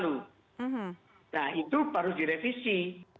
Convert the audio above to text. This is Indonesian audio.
nah itu baru direvisi